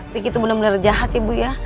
riki tuh bener bener jahat ya bu ya